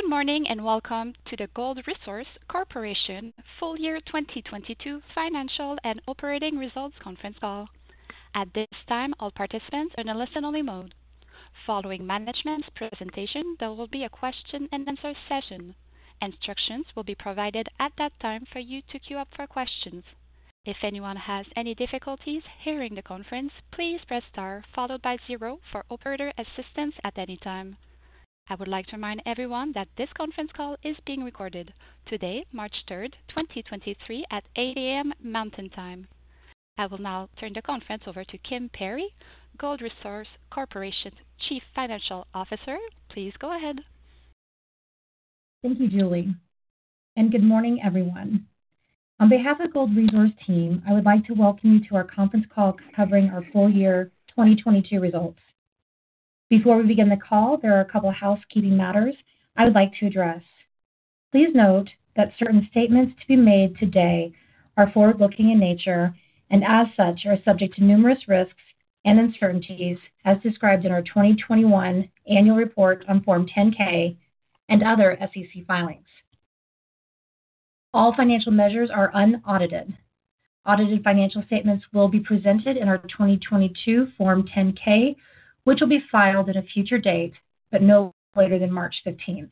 Good morning, welcome to the Gold Resource Corporation full year 2022 financial and operating results conference call. At this time, all participants are in a listen-only mode. Following management's presentation, there will be a question-and-answer session. Instructions will be provided at that time for you to queue up for questions. If anyone has any difficulties hearing the conference, please press star 0 for operator assistance at any time. I would like to remind everyone that this conference call is being recorded today, March 3rd, 2023 at 8:00 A.M. Mountain Time. I will now turn the conference over to Kim Perry, Gold Resource Corporation Chief Financial Officer. Please go ahead. Thank you, Julie, and good morning, everyone. On behalf of Gold Resource team, I would like to welcome you to our conference call covering our full year 2022 results. Before we begin the call, there are a couple of housekeeping matters I would like to address. Please note that certain statements to be made today are forward-looking in nature and, as such, are subject to numerous risks and uncertainties as described in our 2021 annual report on Form 10-K and other SEC filings. All financial measures are unaudited. Audited financial statements will be presented in our 2022 Form 10-K, which will be filed at a future date, but no later than March 15th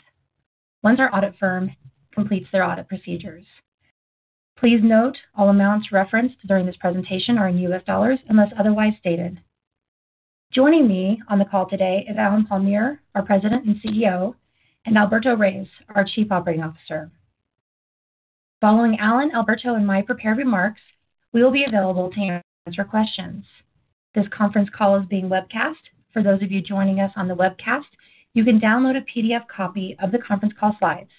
once our audit firm completes their audit procedures. Please note all amounts referenced during this presentation are in US dollars unless otherwise stated. Joining me on the call today is Allen Palmiere, our President and CEO, and Alberto Reyes, our Chief Operating Officer. Following Allen, Alberto, and my prepared remarks, we will be available to answer questions. This conference call is being webcast. For those of you joining us on the webcast, you can download a PDF copy of the conference call slides.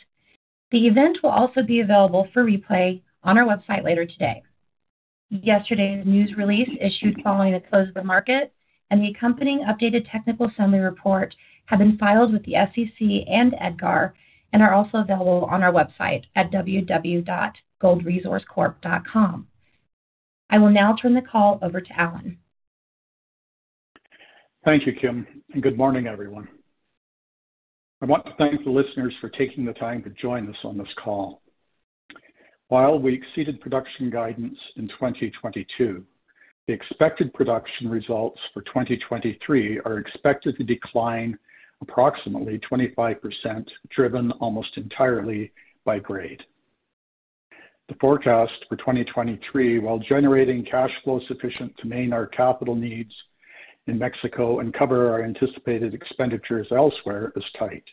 The event will also be available for replay on our website later today. Yesterday's news release issued following the close of the market and the accompanying updated technical report summary have been filed with the SEC and EDGAR and are also available on our website at www.goldresourcecorp.com. I will now turn the call over to Allen. Thank you, Kim, and good morning, everyone. I want to thank the listeners for taking the time to join us on this call. While we exceeded production guidance in 2022, the expected production results for 2023 are expected to decline approximately 25%, driven almost entirely by grade. The forecast for 2023, while generating cash flow sufficient to main our capital needs in Mexico and cover our anticipated expenditures elsewhere, is tight.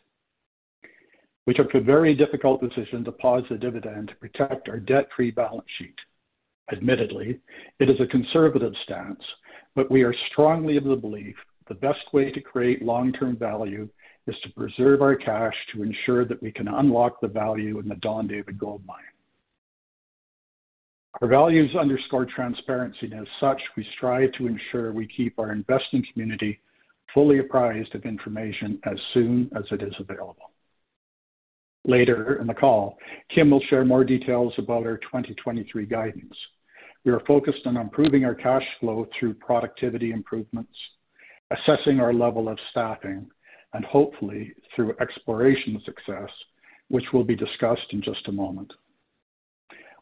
We took the very difficult decision to pause the dividend to protect our debt-free balance sheet. Admittedly, it is a conservative stance, but we are strongly of the belief the best way to create long-term value is to preserve our cash to ensure that we can unlock the value in the Don David Gold Mine. Our values underscore transparency. As such, we strive to ensure we keep our investing community fully apprised of information as soon as it is available. Later in the call, Kim will share more details about our 2023 guidance. We are focused on improving our cash flow through productivity improvements, assessing our level of staffing, and hopefully through exploration success, which will be discussed in just a moment.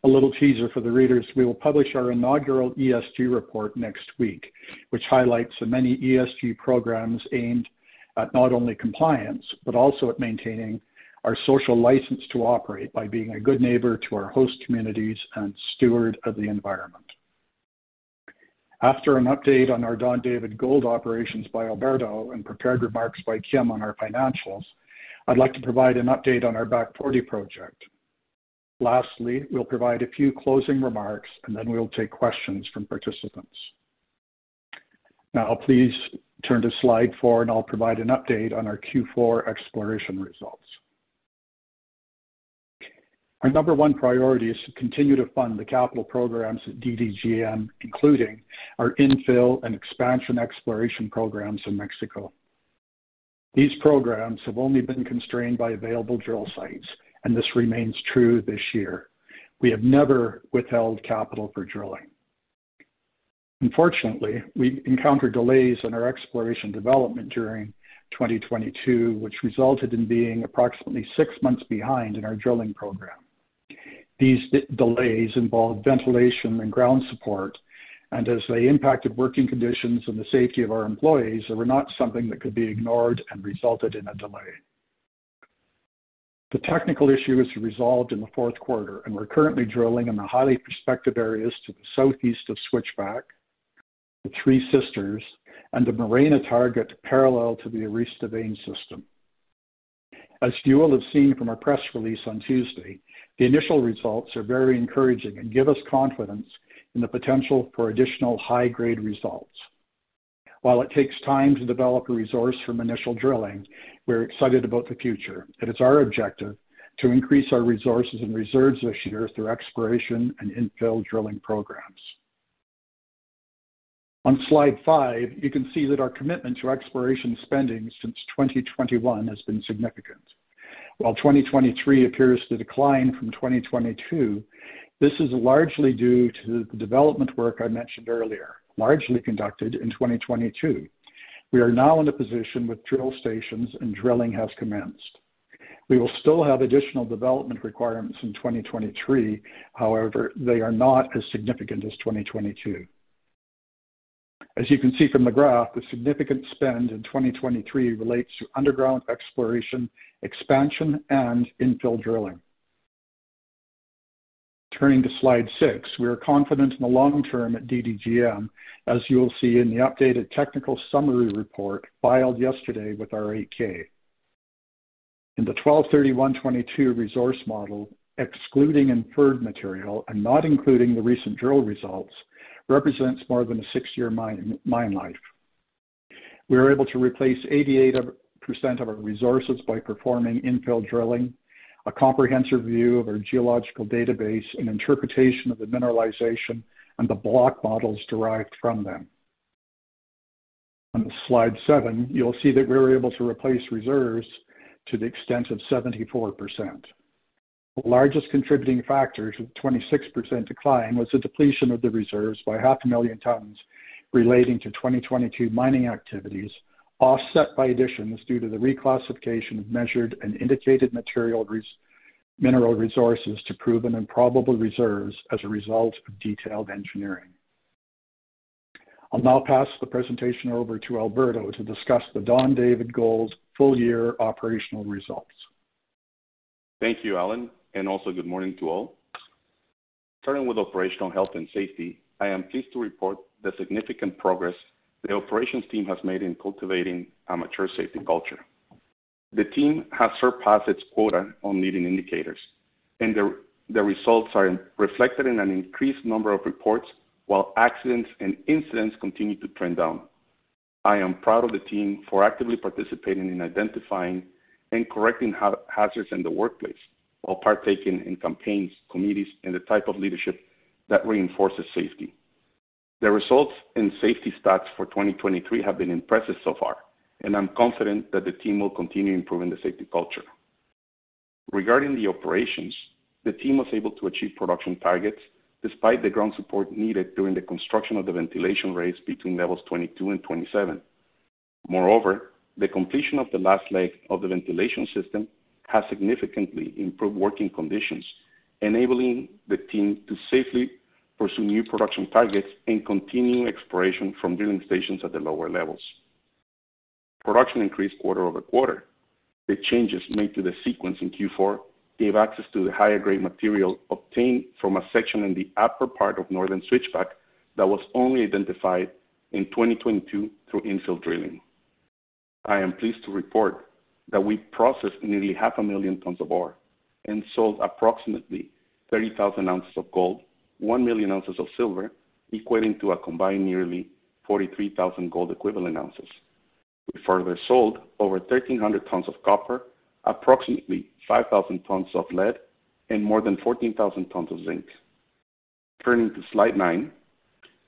A little teaser for the readers, we will publish our inaugural ESG report next week, which highlights the many ESG programs aimed at not only compliance, but also at maintaining our social license to operate by being a good neighbor to our host communities and steward of the environment. After an update on our Don David Gold operations by Alberto and prepared remarks by Kim on our financials, I'd like to provide an update on our Back Forty Project. We'll provide a few closing remarks, and then we'll take questions from participants. Please turn to slide four, and I'll provide an update on our Q4 exploration results. Our number one priority is to continue to fund the capital programs at DDGM, including our infill and expansion exploration programs in Mexico. These programs have only been constrained by available drill sites, this remains true this year. We have never withheld capital for drilling. We encountered delays in our exploration development during 2022, which resulted in being approximately six months behind in our drilling program. These delays involved ventilation and ground support, as they impacted working conditions and the safety of our employees, they were not something that could be ignored and resulted in a delay. The technical issue is resolved in the fourth quarter. We're currently drilling in the highly prospective areas to the southeast of Switchback, the Three Sisters, and the Morena target parallel to the Arista vein system. As you will have seen from our press release on Tuesday, the initial results are very encouraging and give us confidence in the potential for additional high-grade results. While it takes time to develop a resource from initial drilling, we're excited about the future, and it's our objective to increase our resources and reserves this year through exploration and infill drilling programs. On slide five, you can see that our commitment to exploration spending since 2021 has been significant. While 2023 appears to decline from 2022, this is largely due to the development work I mentioned earlier, largely conducted in 2022. We are now in a position with drill, and drilling has commenced. We will still have additional development requirements in 2023. However, they are not as significant as 2022. As you can see from the graph, the significant spend in 2023 relates to underground exploration, expansion, and infill drilling. Turning to slide six, we are confident in the long term at DDGM, as you will see in the updated technical report summary filed yesterday with our Form 8-K. In the 12/31/2022 resource model, excluding Inferred material and not including the recent drill results, represents more than a six-year mine life. We are able to replace 88% of our resources by performing infill drilling, a comprehensive view of our geological database, an interpretation of the mineralization, and the block models derived from them. On slide seven, you'll see that we were able to replace reserves to the extent of 74%. The largest contributing factors with 26% decline was the depletion of the reserves by 0.5 million tons relating to 2022 mining activities, offset by additions due to the reclassification of measured and indicated mineral resources to Proven and Probable Reserves as a result of detailed engineering. I'll now pass the presentation over to Alberto to discuss the Don David Gold's full-year operational results. Thank you, Allen, also good morning to all. Starting with operational health and safety, I am pleased to report the significant progress the operations team has made in cultivating a mature safety culture. The team has surpassed its quota on leading indicators, the results are reflected in an increased number of reports while accidents and incidents continue to trend down. I am proud of the team for actively participating in identifying and correcting hazards in the workplace while partaking in campaigns, committees, and the type of leadership that reinforces safety. The results in safety stats for 2023 have been impressive so far, I'm confident that the team will continue improving the safety culture. Regarding the operations, the team was able to achieve production targets despite the ground support needed during the construction of the ventilation race between levels 22 and 27. Moreover, the completion of the last leg of the ventilation system has significantly improved working conditions, enabling the team to safely pursue new production targets and continue exploration from drilling stations at the lower levels. Production increased quarter-over-quarter. The changes made to the sequence in Q4 gave access to the higher-grade material obtained from a section in the upper part of Northern Switchback that was only identified in 2022 through infill drilling. I am pleased to report that we processed nearly half a million tons of ore and sold approximately 30,000 ounces of gold, 1 million ounces of silver, equating to a combined nearly 43,000 gold equivalent ounces. We further sold over 1,300 tons of copper, approximately 5,000 tons of lead, and more than 14,000 tons of zinc. Turning to slide 9.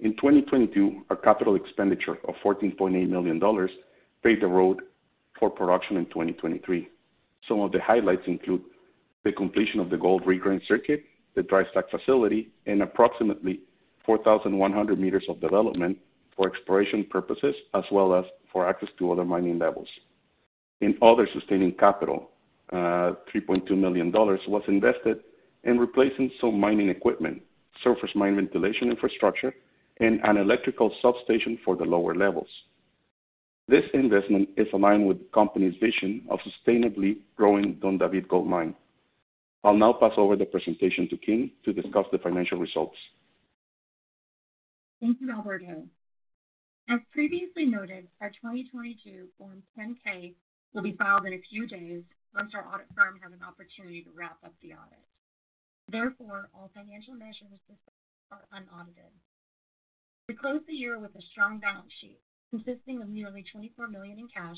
In 2022, our capital expenditure of $14.8 million paved the road for production in 2023. Some of the highlights include the completion of the gold regrind circuit, the dry stack facility, and approximately 4,100 meters of development for exploration purposes, as well as for access to other mining levels. In other sustaining capital, $3.2 million was invested in replacing some mining equipment, surface mine ventilation infrastructure, and an electrical substation for the lower levels. This investment is aligned with the company's vision of sustainably growing Don David Gold Mine. I'll now pass over the presentation to Kim to discuss the financial results. Thank you, Alberto. As previously noted, our 2022 Form 10-K will be filed in a few days once our audit firm has an opportunity to wrap up the audit. Therefore, all financial measures discussed are unaudited. We closed the year with a strong balance sheet consisting of nearly $24 million in cash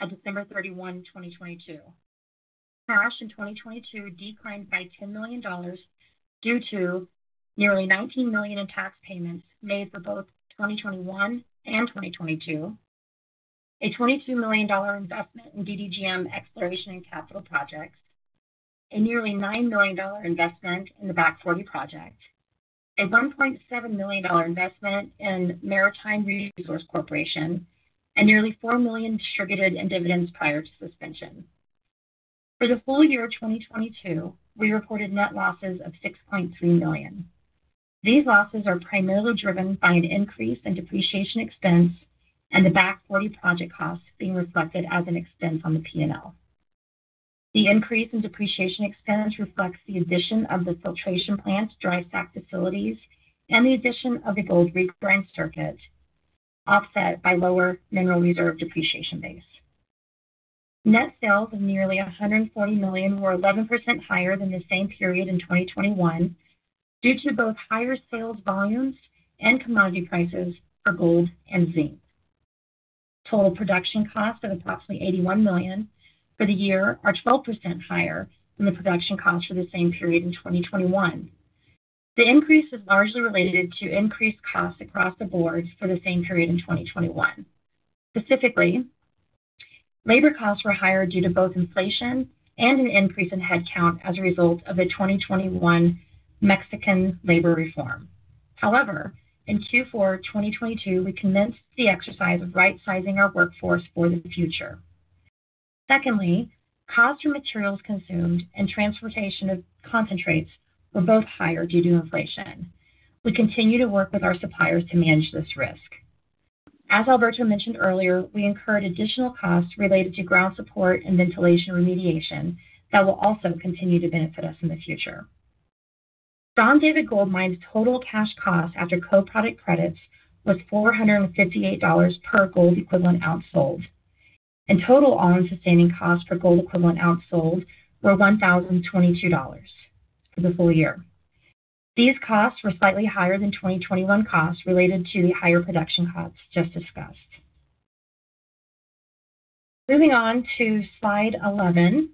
on December 31, 2022. Cash in 2022 declined by $10 million due to nearly $19 million in tax payments made for both 2021 and 2022, a $22 million investment in DDGM exploration and capital projects, a nearly $9 million investment in the Back Forty Project, a $1.7 million investment in Maritime Resources Corporation, and nearly $4 million distributed in dividends prior to suspension. For the full year of 2022, we reported net losses of $6.3 million. These losses are primarily driven by an increase in depreciation expense and the Back Forty Project costs being reflected as an expense on the P&L. The increase in depreciation expense reflects the addition of the filtration plant, dry stack facilities, and the addition of the gold regrind circuit, offset by lower mineral reserve depreciation base. Net sales of nearly $140 million were 11% higher than the same period in 2021 due to both higher sales volumes and commodity prices for gold and zinc. Total production costs of approximately $81 million for the year are 12% higher than the production costs for the same period in 2021. The increase is largely related to increased costs across the board for the same period in 2021. Specifically, labor costs were higher due to both inflation and an increase in headcount as a result of the 2021 Mexican labor reform. However, in Q4 2022, we commenced the exercise of rightsizing our workforce for the future. Secondly, cost of materials consumed and transportation of concentrates were both higher due to inflation. We continue to work with our suppliers to manage this risk. As Alberto mentioned earlier, we incurred additional costs related to ground support and ventilation remediation that will also continue to benefit us in the future. Don David Gold Mine's total cash cost after co-product credits was $458 per gold equivalent ounce sold. In total, all-in sustaining costs per gold equivalent ounce sold were $1,022 for the full year. These costs were slightly higher than 2021 costs related to the higher production costs just discussed. Moving on to slide 11,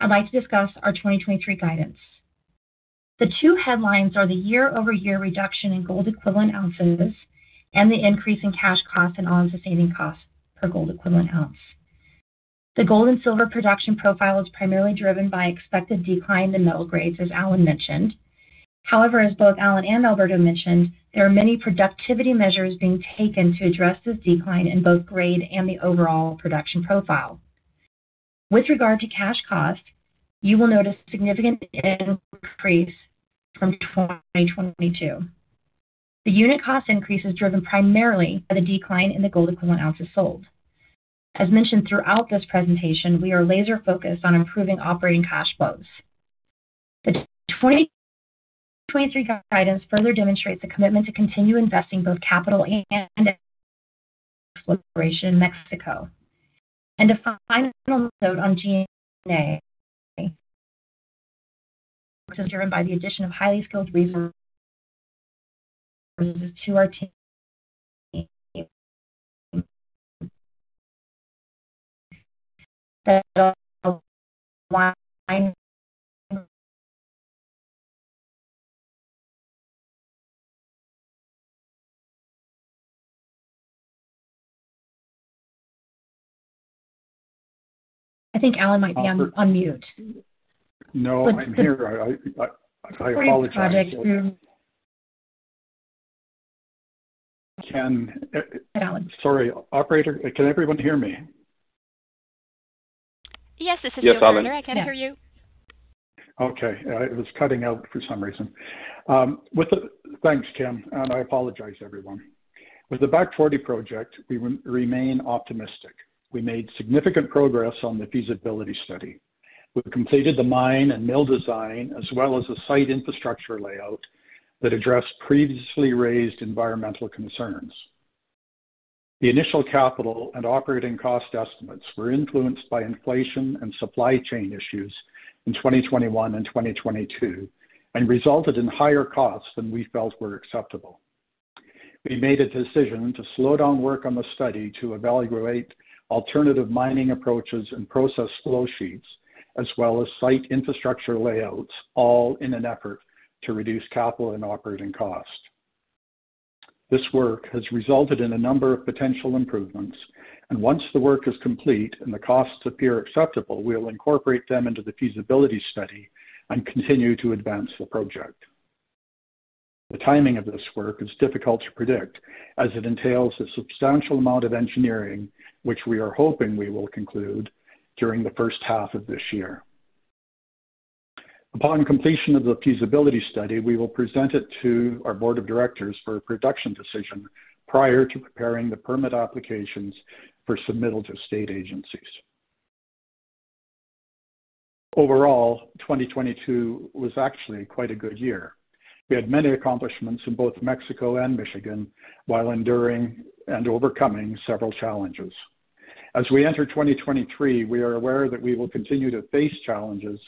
I'd like to discuss our 2023 guidance. The two headlines are the year-over-year reduction in gold equivalent ounces and the increase in cash costs and all-in sustaining costs per gold equivalent ounce. The gold and silver production profile is primarily driven by expected decline in metal grades, as Allen mentioned. As both Allen and Alberto mentioned, there are many productivity measures being taken to address this decline in both grade and the overall production profile. With regard to cash cost, you will notice a significant increase from 2022. The unit cost increase is driven primarily by the decline in the gold equivalent ounces sold. As mentioned throughout this presentation, we are laser-focused on improving operating cash flows. The 2023 guidance further demonstrates the commitment to continue investing both capital and exploration in Mexico. A final note. I think Allen might be on mute. No, I'm here. I apologize. Project Can... Allen. Sorry, operator. Can everyone hear me? Yes, this is your operator. I can hear you. Okay. It was cutting out for some reason. Thanks, Kim, and I apologize everyone. With the Back Forty Project, we remain optimistic. We made significant progress on the feasibility study. We've completed the mine and mill design, as well as the site infrastructure layout that addressed previously raised environmental concerns. The initial capital and operating cost estimates were influenced by inflation and supply chain issues in 2021 and 2022, and resulted in higher costs than we felt were acceptable. We made a decision to slow down work on the study to evaluate alternative mining approaches and process flow sheets, as well as site infrastructure layouts, all in an effort to reduce capital and operating costs. This work has resulted in a number of potential improvements, once the work is complete and the costs appear acceptable, we'll incorporate them into the feasibility study and continue to advance the project. The timing of this work is difficult to predict as it entails a substantial amount of engineering, which we are hoping we will conclude during the first half of this year. Upon completion of the feasibility study, we will present it to our board of directors for a production decision prior to preparing the permit applications for submittal to state agencies. Overall, 2022 was actually quite a good year. We had many accomplishments in both Mexico and Michigan while enduring and overcoming several challenges. As we enter 2023, we are aware that we will continue to face challenges,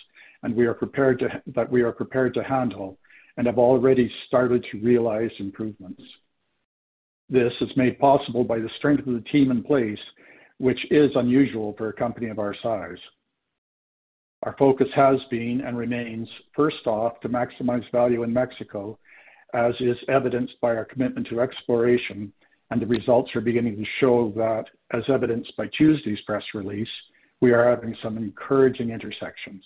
and we are prepared to that we are prepared to handle and have already started to realize improvements. This is made possible by the strength of the team in place, which is unusual for a company of our size. Our focus has been and remains, first off, to maximize value in Mexico, as is evidenced by our commitment to exploration, and the results are beginning to show that, as evidenced by Tuesday's press release, we are having some encouraging intersections.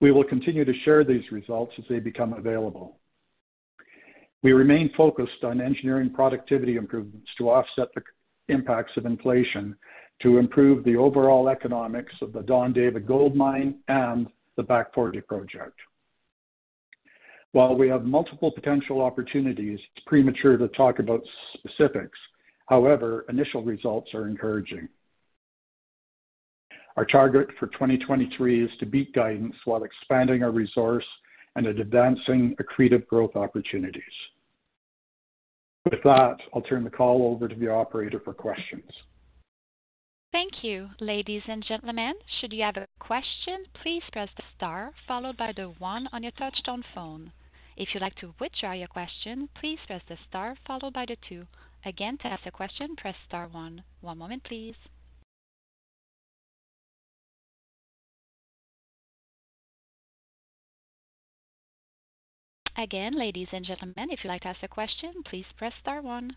We will continue to share these results as they become available. We remain focused on engineering productivity improvements to offset the impacts of inflation to improve the overall economics of the Don David Gold Mine and the Back Forty Project. While we have multiple potential opportunities, it's premature to talk about specifics. Initial results are encouraging. Our target for 2023 is to beat guidance while expanding our resource and advancing accretive growth opportunities. With that, I'll turn the call over to the operator for questions. Thank you. Ladies and gentlemen, should you have a question, please press star followed by the one on your touchtone phone. If you'd like to withdraw your question, please press the star followed by the two. Again, to ask a question, press star one. One moment, please. Again, ladies and gentlemen, if you'd like to ask a question, please press star one.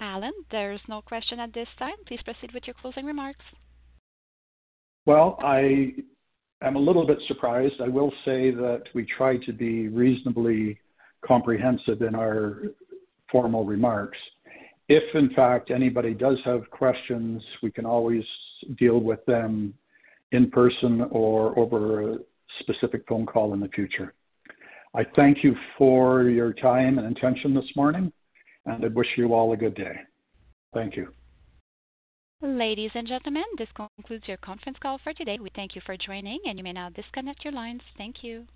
Allen, there's no question at this time. Please proceed with your closing remarks. Well, I am a little bit surprised. I will say that we try to be reasonably comprehensive in our formal remarks. If in fact anybody does have questions, we can always deal with them in person or over a specific phone call in the future. I thank you for your time and attention this morning, and I wish you all a good day. Thank you. Ladies and gentlemen, this concludes your conference call for today. We thank you for joining. You may now disconnect your lines. Thank you.